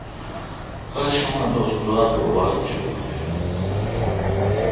پاشمہ دوس دوابہ واتھ چوں ۔